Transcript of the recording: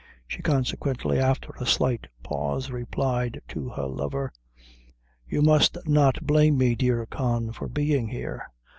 She consequently, after a slight pause, replied to her lover "You must not blame me, dear Con, for being here.